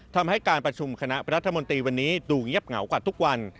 ทำให้การประชุมคณะรัฐมนตรีวันนี้ดูเงียบเหงากว่าทุกวัน